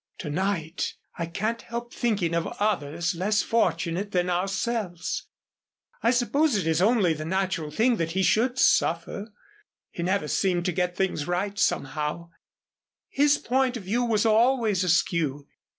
To night, I can't help thinking of others less fortunate than ourselves. I suppose it's only the natural thing that he should suffer. He never seemed to get things right, somehow; his point of view was always askew.